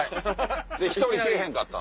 で１人来ぇへんかった。